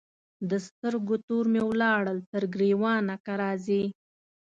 د سترګو تور مي ولاړل تر ګرېوانه که راځې